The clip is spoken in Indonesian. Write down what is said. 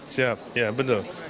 siap ya betul